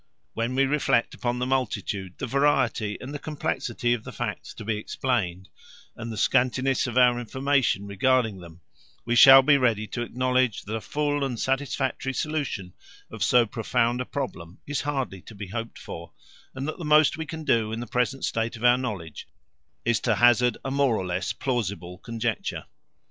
When we reflect upon the multitude, the variety, and the complexity of the facts to be explained, and the scantiness of our information regarding them, we shall be ready to acknowledge that a full and satisfactory solution of so profound a problem is hardly to be hoped for, and that the most we can do in the present state of our knowledge is to hazard a more or less plausible conjecture.